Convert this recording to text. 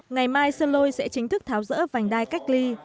ngày mai sơn lôi sẽ chính thức tháo rỡ vành đai cách ly